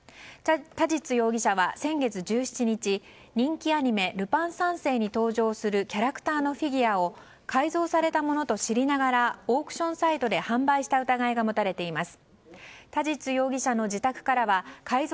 田賽容疑者は先月１７日人気アニメ「ルパン三世」に登場するキャラクターのフィギュアを改造されたものと知りながらオークションサイトで販売した疑いが持たれています。